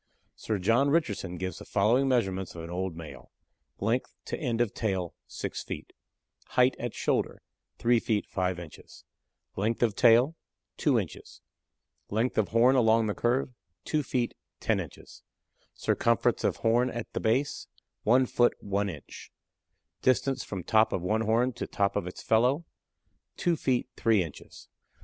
Sir John Richardson gives the following measurements of an old male: Length to end of tail, 6 feet; height at shoulder, 3 feet 5 inches; length of tail, 2 inches; length of horn along the curve, 2 feet 10 inches; circumference of horn at the base, 1 foot 1 inch; distance from top of one horn to top of its fellow, 2 feet 3 inches.